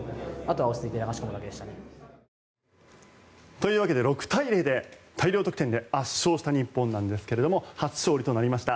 というわけで６対０で大量得点で圧勝した日本なんですが初勝利となりました。